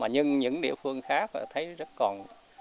nhưng những địa phương khác thấy rất còn